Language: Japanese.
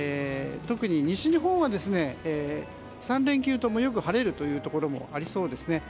特に西日本は３連休ともよく晴れるところもありそうです。